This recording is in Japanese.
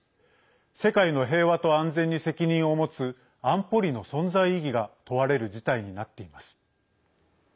世界の平和と安全に責任を持つ安保理の存在意義が問われる事態になっています。